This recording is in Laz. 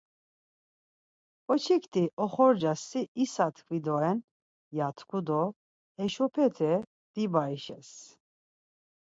Ǩoçikti, Oxorca si isa tkvi doren ya tku do heşopete dibaişes.